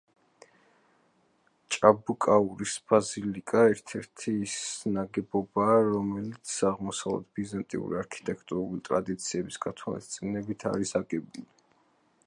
ჭაბუკაურის ბაზილიკა ერთ-ერთი ის ნაგებობაა, რომელიც აღმოსავლეთ ბიზანტიური არქიტექტურული ტრადიციების გათვალისწინებით არის აგებული.